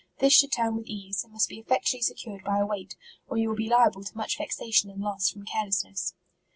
This should turn with ease, and must be effectually secured by a weight, or you will be liable to much vexa tion and loss, from carelessness.